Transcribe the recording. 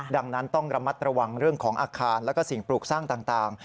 ดังนั้นต้องระมัดระวังเรื่องของอาคารแล้วก็สิ่งปลูกสร้างต่าง